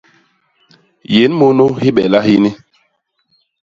Yén munu hibela hini.